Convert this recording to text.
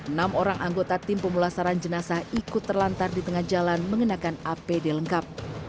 enam orang anggota tim pemulasaran jenazah ikut terlantar di tengah jalan mengenakan apd lengkap